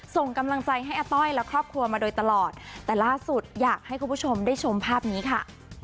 ส่งกำลังใจให้อาต้อยและครอบครัวมาโดยตลอดแต่ล่าสุดอยากให้คุณผู้ชมได้ชมภาพนี้ค่ะ